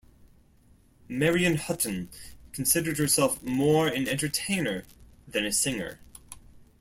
Marion Hutton considered herself more an entertainer than a singer.